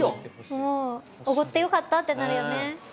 もうおごってよかったってなるよね